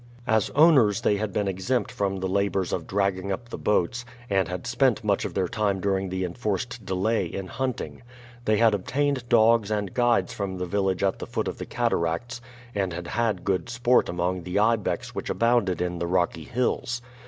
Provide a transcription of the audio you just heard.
As owners they had been exempt from the labors of dragging up the boats, and had spent much of their time during the enforced delay in hunting. They had obtained dogs and guides from the village at the foot of the cataracts and had had good sport among the ibex which abounded in the rocky hills.